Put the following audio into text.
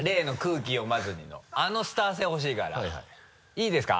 いいですか？